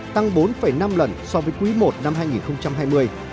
tăng bốn năm lần so với quý i năm hai nghìn hai mươi